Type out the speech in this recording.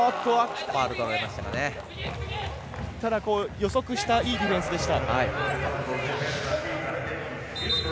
予測したいいディフェンスでした。